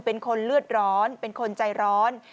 เป็นคนเลือดร้อนเป็นคนใจร้อน